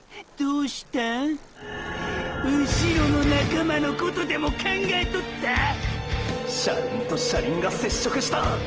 うしろの仲間のことでも考えとった⁉車輪と車輪が接触した！！